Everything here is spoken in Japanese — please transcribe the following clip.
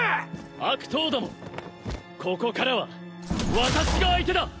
悪党どもここからは私が相手だ！